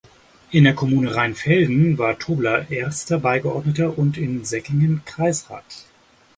In der Kommune Rheinfelden war Tobler Erster Beigeordneter und in Säckingen Kreisrat.